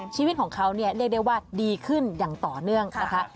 ชีวิตของเขาเนี่ยเรียกได้ว่าดีขึ้นอย่างต่อเนื่องนะคะ